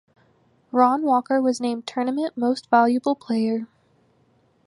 Ron Walker was named Tournament Most Valuable Player.